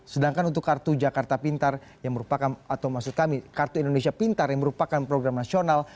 sedangkan untuk kartu jakarta pintar yang merupakan atau maksud kami kartu indonesia pintar yang merupakan program nasional